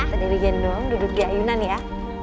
kita dari gendong duduk di ayunan ya